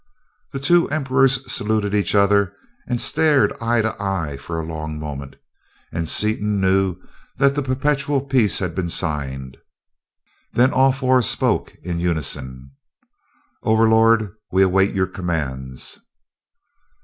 The two emperors saluted each other and stared eye to eye for a long moment, and Seaton knew that the perpetual peace had been signed. Then all four spoke, in unison: "Overlord, we await your commands."